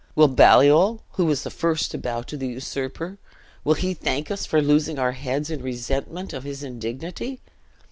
Will Baliol, who was the first to bow to the usurper, will he thank us for losing our heads in resentment of his indignity?